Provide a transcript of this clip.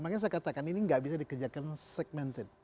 makanya saya katakan ini nggak bisa dikerjakan segmented